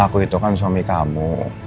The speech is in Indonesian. aku itu kan suami kamu